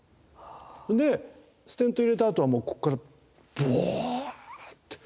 あ。でステント入れたあとはもうこっからボワーって。